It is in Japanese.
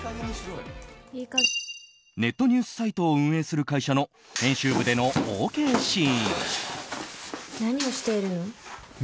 ネットニュースサイトを運営する会社の編集部でのＯＫシーン。